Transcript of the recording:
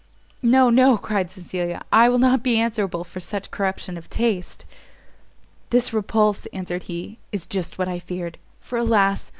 "No, no," cried Cecilia, "I will not be answerable for such corruption of taste!" "This repulse," answered he, "is just what I feared; for alas!